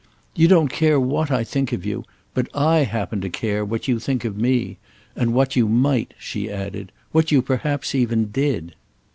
"You don't care what I think of you; but I happen to care what you think of me. And what you might," she added. "What you perhaps even did."